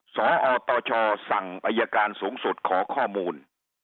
สอตชสั่งอายการสูงสุดขอข้อมูล